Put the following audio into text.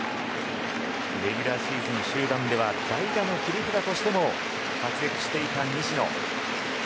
レギュラーシーズン終盤では代打の切り札としても活躍していた西野。